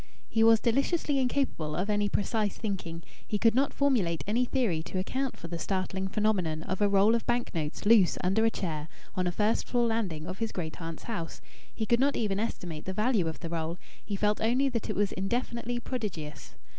He was deliciously incapable of any precise thinking; he could not formulate any theory to account for the startling phenomenon of a roll of bank notes loose under a chair on a first floor landing of his great aunt's house; he could not even estimate the value of the roll he felt only that it was indefinitely prodigious.